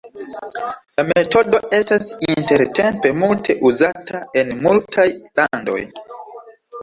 La metodo estas intertempe multe uzata en multaj landoj.